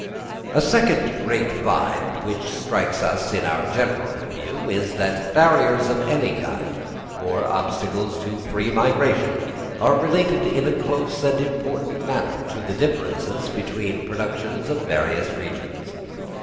A second great fact which strikes us in our general review is, that barriers of any kind, or obstacles to free migration, are related in a close and important manner to the differences between the productions of various regions.